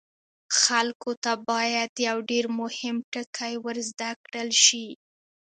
خلکو ته باید یو ډیر مهم ټکی ور زده کړل شي.